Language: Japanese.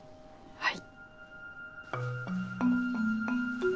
はい。